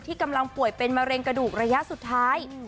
กำลังป่วยเป็นมะเร็งกระดูกระยะสุดท้าย